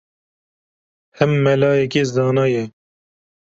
Him melayekî zana ye